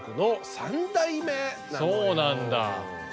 そうなんだ。